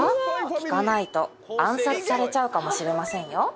「聞かないと暗殺されちゃうかもしれませんよ」